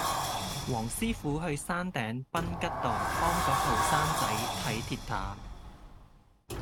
黃師傅去山頂賓吉道幫個後生仔睇跌打